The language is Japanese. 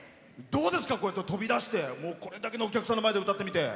どうですかこうやって飛び出してこれだけのお客さんの前で歌ってみて。